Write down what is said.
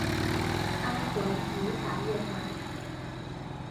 安魂弥撒乐团。